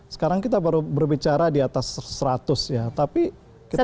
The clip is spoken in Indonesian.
sekarang kita baru berbicara di atas seratus ya tapi kita